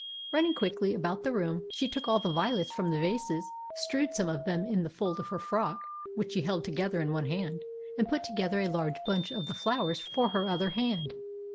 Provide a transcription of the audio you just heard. Running quickly about the room she took all the violets from the vases, strewed some of them in the fold of her frock, which she held together in one hand, and put together a large bunch of the flowers for her other hand.